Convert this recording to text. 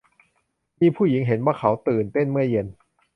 มีผู้หญิงเห็นว่าเค้าตื่นเต้นเมื่อเย็น